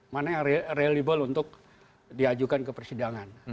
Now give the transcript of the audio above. mana yang reliable untuk diajukan ke persidangan